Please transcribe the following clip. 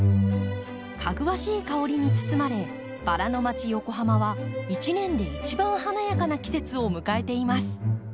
かぐわしい香りに包まれバラの街横浜は一年で一番華やかな季節を迎えています。